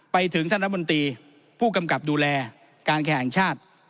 ไปถึงท่านรัฐมนตรีผู้กำกับดูแลการแข่งชาติ